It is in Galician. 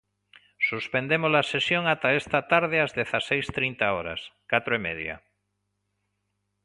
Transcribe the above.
Suspendemos a sesión ata esta tarde ás dezaseis trinta horas, catro e media.